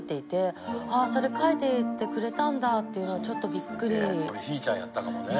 ああそれ書いていてくれたんだっていうのはちょっとビックリ。